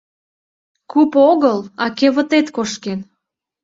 — Куп огыл, а кевытет кошкен!..